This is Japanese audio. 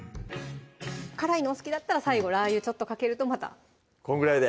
辛いのお好きだったら最後ラー油ちょっとかけるとまたこんぐらいで？